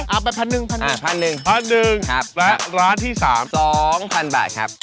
๓๐๐๐ไปเลย๓๐๐๐ไปเลยเอาไป๑๐๐๐๑๐๐๐๑๐๐๐๑๐๐๐ครับและร้านที่๓๒๐๐๐บาทครับ